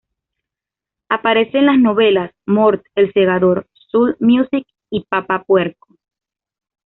Aparece en las novelas "Mort, El Segador, Soul Music" y "Papá Puerco".